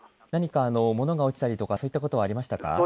何か物が落ちたりといったことはありましたか。